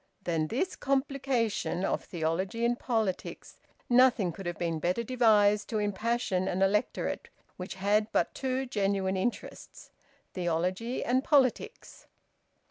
Than this complication of theology and politics nothing could have been better devised to impassion an electorate which had but two genuine interests theology and politics.